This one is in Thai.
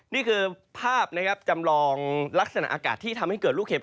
นี่คือภาพนะครับจำลองลักษณะอากาศที่ทำให้เกิดลูกเห็บ